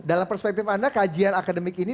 dalam perspektif anda kajian akademik ini